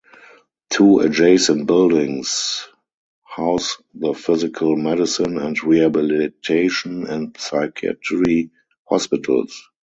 Two adjacent buildings house the physical medicine and rehabilitation and psychiatry hospitals.